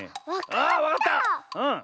あわかった！